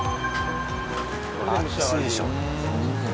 熱いでしょ。